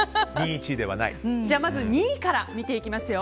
まず２位から見ていきますよ。